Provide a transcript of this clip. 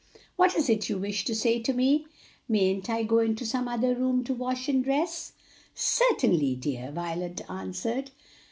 What is it you wish to say to me?" "Mayn't I go into some other room to wash and dress?" "Certainly, dear," Violet answered.